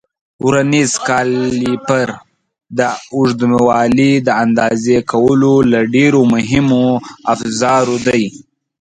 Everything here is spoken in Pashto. ورنیز کالیپر د اوږدوالي د اندازه کولو له ډېرو مهمو افزارو دی.